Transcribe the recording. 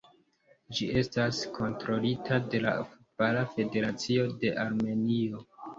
Ĝi estas kontrolita de la Futbala Federacio de Armenio.